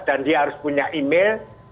dan dia harus punya email